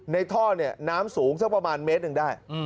ในท่อเนี่ยน้ำสูงเจ้าประมาณเมตรนึงได้